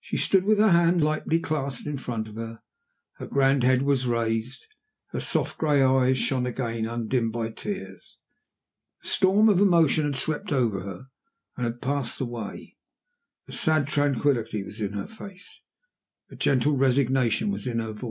She stood with her hands lightly clasped in front of her. Her grand head was raised; her soft gray eyes shone again undimmed by tears. The storm of emotion had swept over her and had passed away A sad tranquillity was in her face; a gentle resignation was in her voice.